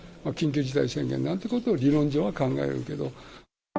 緊急事態宣言なんてことも理論上は考えるけれども。